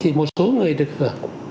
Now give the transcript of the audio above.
thì một số người được hưởng